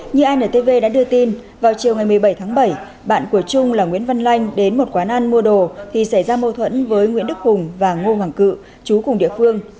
như antv đã đưa tin vào chiều ngày một mươi bảy tháng bảy bạn của trung là nguyễn văn lanh đến một quán ăn mua đồ thì xảy ra mâu thuẫn với nguyễn đức hùng và ngô hoàng cự chú cùng địa phương